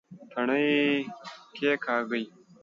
تڼي کېکاږئ